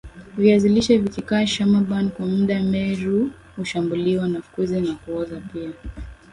viazi lishe vikikaa shamaban kwa mda meru hushambuliwa na fukuzi na kuoza pia